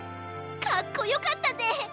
かっこよかったぜ。